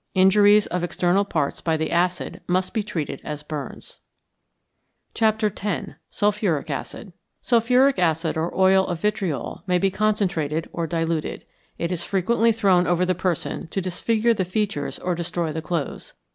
Injuries of external parts by the acid must be treated as burns. X. SULPHURIC ACID =Sulphuric Acid=, or oil of vitriol, may be concentrated or diluted. It is frequently thrown over the person to disfigure the features or destroy the clothes.